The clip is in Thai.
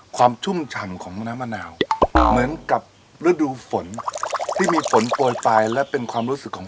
ชุ่มฉ่ำของน้ำมะนาวเหมือนกับฤดูฝนที่มีฝนโปรยปลายและเป็นความรู้สึกของ